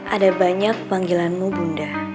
ada banyak panggilanmu bunda